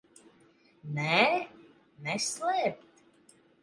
Nē? Neslēpt?